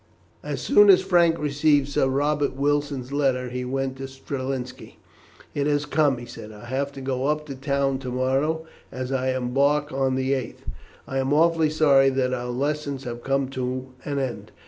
As soon as Frank received Sir Robert Wilson's letter he went to Strelinski. "It has come," he said. "I have to go up to town tomorrow, as I embark on the 8th. I am awfully sorry that our lessons have come to an end.